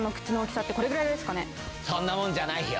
そんなもんじゃないよ。